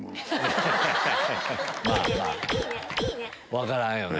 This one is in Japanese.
分からんよね。